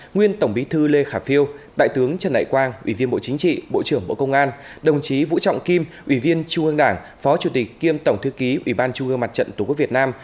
nguyên tổng bí thư lê khả phiêu đại tướng trần đại quang ủy viên bộ chính trị bộ trưởng bộ công an đồng chí vũ trọng kim ủy viên trung ương đảng phó chủ tịch kiêm tổng thư ký ủy ban trung ương mặt trận tổ quốc việt nam